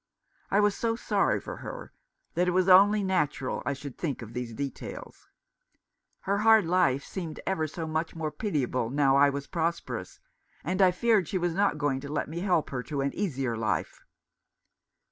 I was so sorry for her that it was only natural I should think of these details. Her hard life seemed ever so much more pitiable now I was prosperous ; and I feared she was not going to let me help her to an easier life.